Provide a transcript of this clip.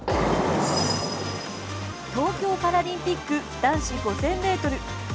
東京パラリンピック男子５０００ｍ。